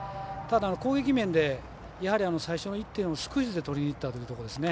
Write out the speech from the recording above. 攻撃面でやはり最初の１点をスクイズでとりにいったところですね。